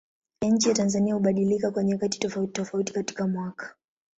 Tabianchi ya Tanzania hubadilika kwa nyakati tofautitofauti katika mwaka.